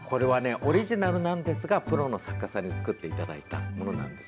オリジナルなんですがプロの作家さんに作ってもらったものです。